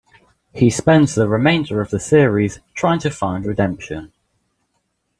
He spends the remainder of the series trying to find redemption.